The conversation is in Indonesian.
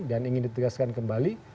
dan ingin ditegaskan kembali